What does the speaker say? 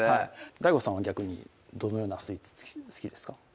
ＤＡＩＧＯさんは逆にどのようなスイーツ好きですか？